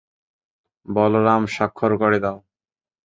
বলরাম, স্বাক্ষর করে দাও।